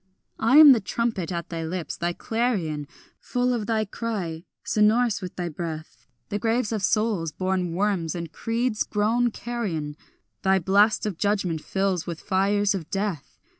I am the trumpet at thy lips, thy clarion Full of thy cry, sonorous with thy breath; The graves of souls born worms and creeds grown carrion Thy blast of judgment fills with fires of death.